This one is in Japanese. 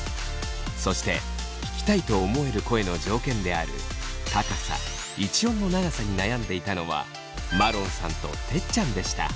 そして聞きたいと思える声の条件である高さ・一音の長さに悩んでいたのはまろんさんとてっちゃんでした。